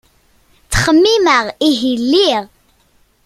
Ttxemmimeɣ, ihi lliɣ.